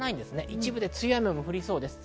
一部で強い雨も降りそうです。